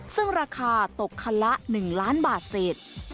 ซึ่งราคาตกคันละ๑ล้านบาทเศษ